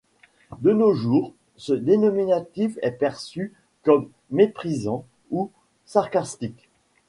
De nos jours, ce dénominatif est perçu comme méprisant ou sarcastique.